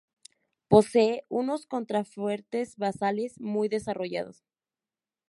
Posee unos contrafuertes basales muy desarrollados.